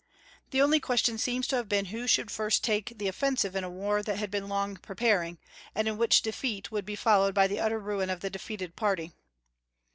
The only question seems to have been who should first take the offensive in a war that had been long preparing, and in which defeat would be followed by the utter ruin of the defeated party.